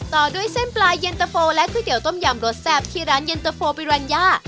ต่อด้วยเส้นปลาเย็นตะโฟและก๋วยเตี๋ต้มยำรสแซ่บที่ร้านเย็นตะโฟปิรัญญา